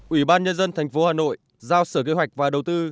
ủy ban nhân dân tp hà nội giao sở kế hoạch và đầu tư